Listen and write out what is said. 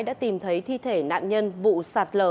đã tìm thấy thi thể nạn nhân vụ sạt lở